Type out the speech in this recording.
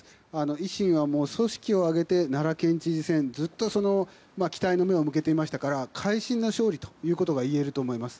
維新は組織を挙げて奈良県知事選にずっと期待の目を向けていましたから会心の勝利ということがいえると思います。